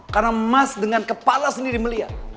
karena mas dengan kepala sendiri melihat